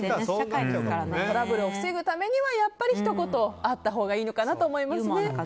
トラブルを防ぐためにはやっぱりひと言あったほうがいいのかなと思いますね。